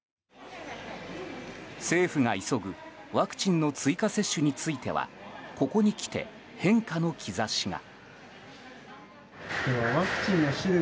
政府が急ぐワクチンの追加接種についてはここにきて変化の兆しが。